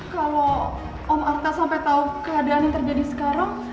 kalau om arta sampai tau keadaan yang terjadi sekarang